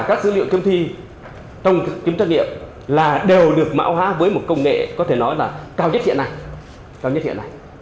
tất cả các dữ liệu chấm thi trong kiếm trách nhiệm là đều được mạo hóa với một công nghệ có thể nói là cao nhất hiện nay